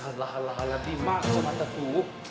halah halah dimaksa mataku